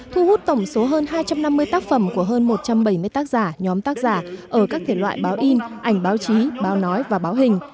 thu hút tổng số hơn hai trăm năm mươi tác phẩm của hơn một trăm bảy mươi tác giả nhóm tác giả ở các thể loại báo in ảnh báo chí báo nói và báo hình